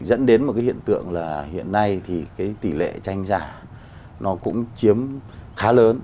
dẫn đến một hiện tượng là hiện nay tỷ lệ tranh giả cũng chiếm khá lớn